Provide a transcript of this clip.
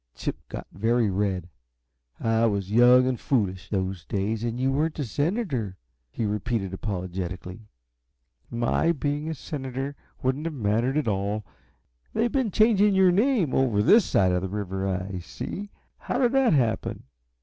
Chip got very red. "I was young and foolish, those days, and you weren't a senator," he repeated, apologetically. "My being a senator wouldn't have mattered at all. They've been changing your name, over this side the river, I see. How did that happen?"